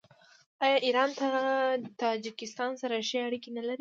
آیا ایران له تاجکستان سره ښې اړیکې نلري؟